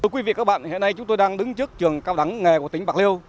quý vị và các bạn hiện nay chúng tôi đang đứng trước trường cao đẳng nghề của tỉnh bạc liêu